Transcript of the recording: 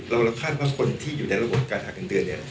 เราคาดว่าคนที่อยู่ในระบบการหาเงินเดือนเนี่ย